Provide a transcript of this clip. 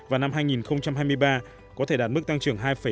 và năm hai nghìn hai mươi ba có thể đạt mức tăng trưởng hai một